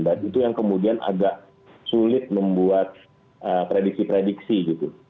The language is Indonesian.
dan itu yang kemudian agak sulit membuat prediksi prediksi gitu